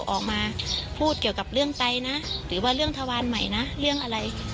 ออกมาพูดเกี่ยวกับเรื่องไตนะหรือว่าเรื่องทวารใหม่นะเรื่องอะไร